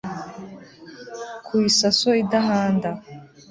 ku isaso idahanda